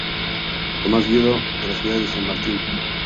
Tomás Guido" de la ciudad de San Martín.